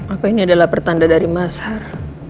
apa ini adalah pertanda dari mas har